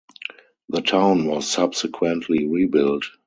The town was subsequently rebuilt.